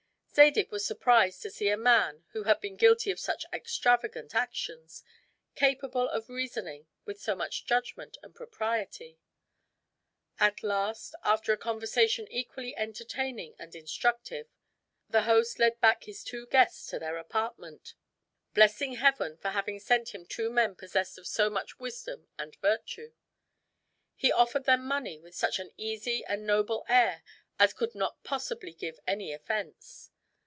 Zadig was surprised to see a man, who had been guilty of such extravagant actions, capable of reasoning with so much judgment and propriety. At last, after a conversation equally entertaining and instructive, the host led back his two guests to their apartment, blessing Heaven for having sent him two men possessed of so much wisdom and virtue. He offered them money with such an easy and noble air as could not possibly give any offense.